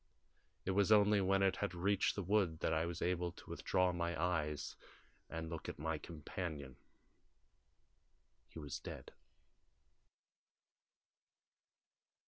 It was only when it had reached the wood that I was able to withdraw my eyes and look at my companion. He was dead."